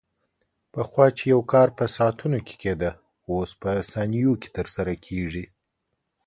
پخوا چې یو کار په ساعتونو کې کېده، اوس په ثانیو کې ترسره کېږي.